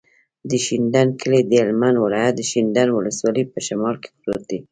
د شینډنډ کلی د هلمند ولایت، شینډنډ ولسوالي په شمال کې پروت دی.